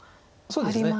そうですね。